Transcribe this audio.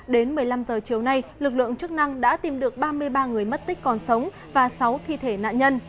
đến một mươi năm h chiều nay lực lượng chức năng đã tìm được ba mươi ba người mất tích còn sống và sáu thi thể nạn nhân